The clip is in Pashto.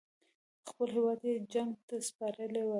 خپل هیواد یې جنګ ته سپارلی وای.